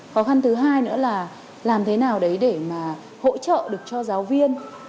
khó khăn thứ hai nữa là làm thế nào đấy để mà hỗ trợ được cho giáo viên